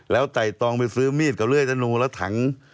ไต่ตองไปซื้อมีดกับเลื่อยธนูแล้วถัง